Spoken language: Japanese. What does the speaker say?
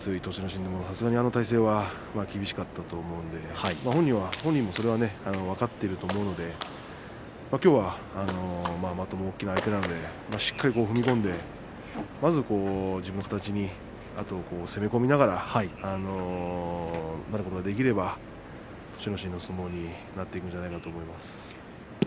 心でもあの体勢は厳しかったと思うので本人もそれは分かっていると思うのできょうはまた大きな相手なのでしっかり踏み込んで、まず自分の形に、あと攻め込みながらなることができれば栃ノ心の相撲になっていくんじゃないかなと思います。